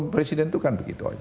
presiden itu kan begitu aja